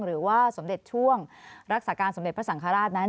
หรือว่าสมเด็จช่วงรักษาการสมเด็จพระสังฆราชนั้น